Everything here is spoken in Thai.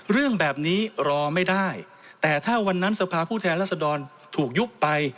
เรื่องแบบนี้รอไม่ได้แต่ถ้าวันนั้นสภาพผู้แทนรัศดรถูกยุบไป